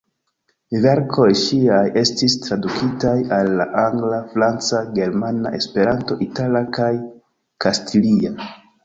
Verkoj ŝiaj estis tradukitaj al la angla, franca, germana, Esperanto, itala kaj kastilia.